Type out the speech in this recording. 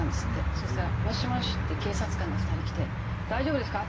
そしたら「もしもし？」って警察官が２人来て「大丈夫ですか？